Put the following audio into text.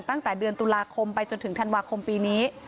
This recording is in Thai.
ตั้งแต่เดือนตุลาคมไปจนถึงธันวาคมปีนี้